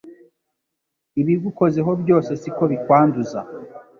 Ibigukozeho byose siko bikwanduza